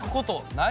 ない。